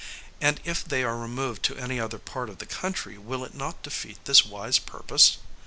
And, if they are removed to any other part of the country, will it not defeat this wise purpose?